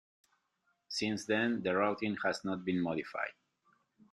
Since then, the routing has not been modified.